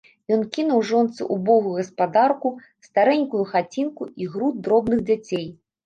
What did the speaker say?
Ён кінуў жонцы ўбогую гаспадарку, старэнькую хацінку і груд дробных дзяцей.